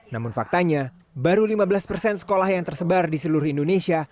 namun faktanya baru lima belas persen sekolah yang tersebar di seluruh indonesia